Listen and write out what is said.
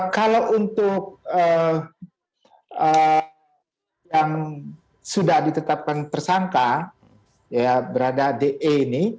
kalau untuk yang sudah ditetapkan tersangka berada de ini